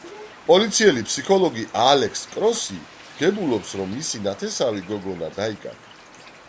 პოლიციელი ფსიქოლოგი ალექს კროსი გებულობს რომ მისი ნათესავი გოგონა დაიკარგა.